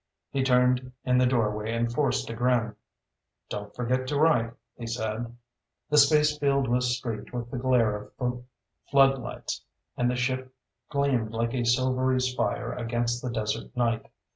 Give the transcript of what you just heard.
He turned in the doorway and forced a grin. "Don't forget to write," he said. The spacefield was streaked with the glare of floodlights, and the ship gleamed like a silvery spire against the desert night.